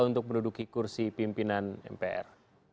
untuk menduduki kursi pimpinan mpr